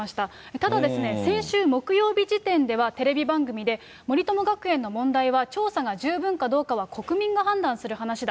ただ、先週木曜日時点では、テレビ番組で森友学園の問題は、調査が十分かどうかは国民が判断する話だ。